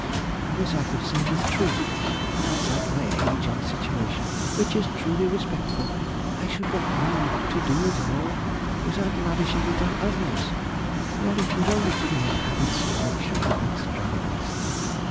_ and this I could say with truth, as at my age and situation (which is truly respectable) I should not know what to do with more without lavishing it on others, where it would only create habits of luxury and extravagance.